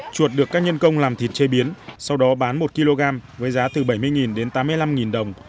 chuột được các nhân công làm thịt chế biến sau đó bán một kg với giá từ bảy mươi đến tám mươi năm đồng